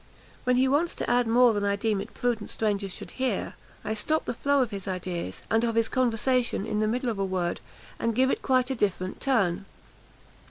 When he wants to add more than I deem it prudent strangers should hear, I stop the flow of his ideas, and of his conversation in the middle of a word, and give it quite a different turn!"